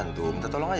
kamu bisa berjaga jaga